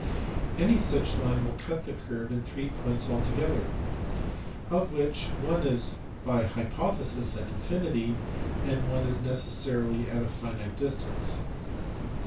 Any such line will cut the curve in three points altogether, of which one is by hypothesis at infinity, and one is necessarily at a finite distance.